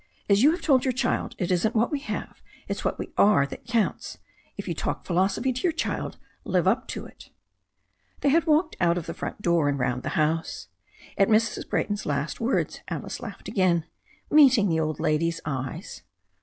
As you have told your child, it isn't what we 40 THE STORY OF A NEW ZEALAND RIVER have, it's what we are that counts. If you talk philosophy to your child, live up to it." They had walked out of the front door and round the house. At Mrs. Brayton's last words Alice laughed again, meeting the old lady's eyes.